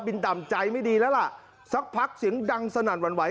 ต่ำใจไม่ดีแล้วล่ะสักพักเสียงดังสนั่นหวั่นไหว